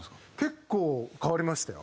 結構変わりましたよ。